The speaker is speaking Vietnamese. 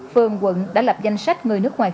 phường quận đã lập danh sách người nước ngoài